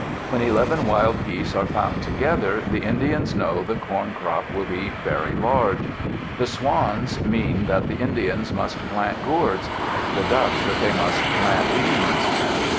When eleven wild geese are found together, the Indians know the corn crop will be very large. The swans mean that the Indians must plant gourds; the ducks, that they must plant beans.